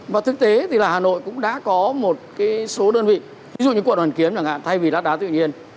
và thực tế thì hà nội cũng đã có một số đơn vị ví dụ như quận hoàn kiếm thay vì lát đá tự nhiên